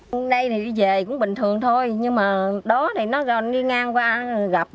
hôm nay thì về cũng bình thường thôi nhưng mà đó thì nó đi ngang qua gặp